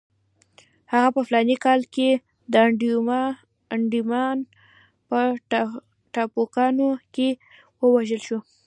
هغه په فلاني کال کې د انډیمان په ټاپوګانو کې ووژل شو.